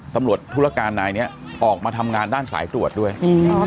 ธุรการนายเนี้ยออกมาทำงานด้านสายตรวจด้วยอืม